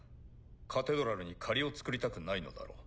カテドラルに借りを作りたくないのだろう。